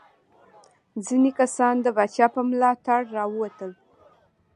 ځینې کسان د پاچا په ملاتړ راووتل.